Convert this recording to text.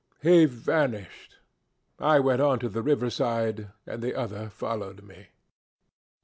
He vanished. I went on to the river side, and the other followed me.